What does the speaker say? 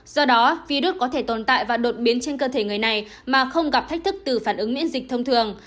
do đó virus có thể tồn tại và đột biến trên cơ thể người này mà không gặp thách thức từ phản ứng miễn dịch thông thường